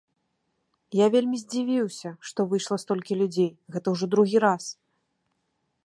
Я вельмі здзівіўся, што выйшла столькі людзей, гэта ўжо другі раз.